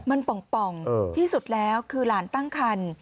มันป่องที่สุดแล้วคือหลานตั้งคัน